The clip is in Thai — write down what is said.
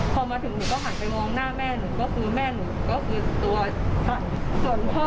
พอมาถึงหนูก็หันไปมองหน้าแม่หนูก็คือแม่หนูก็คือตัวส่วนพ่อ